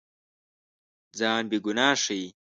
ځان بېګناه ښيي.